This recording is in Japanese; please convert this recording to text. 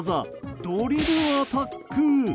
ドリルアタック。